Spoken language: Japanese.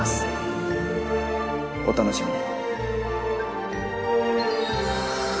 お楽しみに。